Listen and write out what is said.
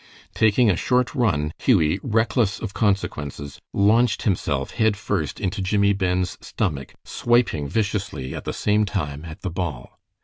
Taking a short run, Hughie, reckless of consequences, launched himself head first into Jimmie Ben's stomach, swiping viciously at the same time at the ball.